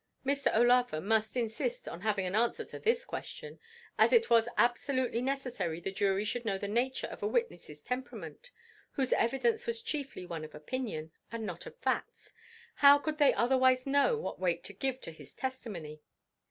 Mr. O'Laugher must insist on having an answer to this question; as it was absolutely necessary the jury should know the nature of a witness's temperament, whose evidence was chiefly one of opinion, and not of facts; how could they otherwise know what weight to give to his testimony?